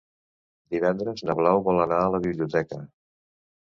Divendres na Blau vol anar a la biblioteca.